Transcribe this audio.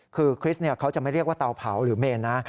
คือคริสต์เขาจะไม่เรียกว่าเตาเผาหรือเมนนะ